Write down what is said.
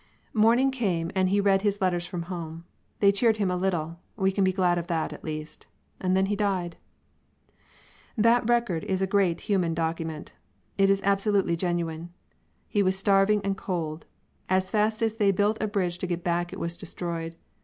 Morning came and he read his letters from home. They cheered him a little; we can be glad of that, at least. And then he died. That record is a great human document. It is absolutely genuine. He was starving and cold. As fast as they built a bridge to get back it was destroyed.